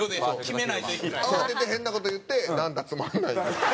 慌てて変な事言って「何だつまんない」。